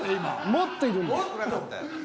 もっといるんだ。